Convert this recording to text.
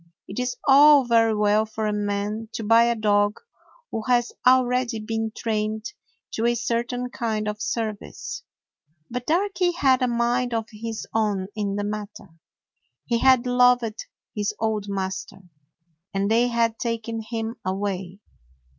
It is all very well for a man to buy a dog who has already been trained to a certain kind of service. But Darky had a mind of his own in the matter. He had loved his old master, and they had taken him away.